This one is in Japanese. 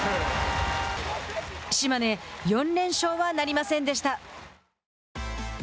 島根４連勝はなりませんでした。